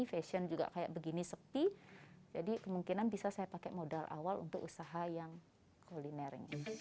fashion juga kayak begini sepi jadi kemungkinan bisa saya pakai modal awal untuk usaha yang kuliner